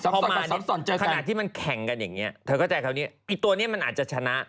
พอมาขนาดที่มันแข่งกันนี่เนี่ยอีตัวนี่มันอาจจะชนะ